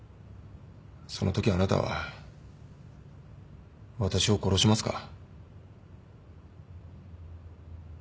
そのときあなたは私を殺しますか？